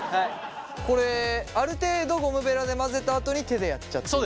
これある程度ゴムベラで混ぜたあとに手でやっちゃっていいってことですか？